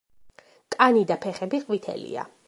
კანი და ფეხები ყვითელია.